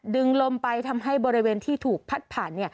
ลมไปทำให้บริเวณที่ถูกพัดผ่าน